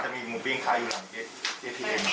จะมีหมูปิ้งขาวอยู่หลังเหตุผล